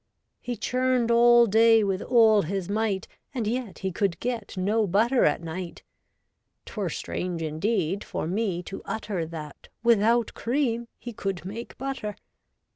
He churned all day with all his might, And yet he could get no butter at night. 'Twere strange indeed, for me to utter That without cream he could make butter.